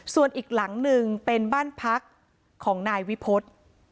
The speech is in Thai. ส่วนอีกหลังหนึ่งเป็นบ้านพักของนายวิพฤษ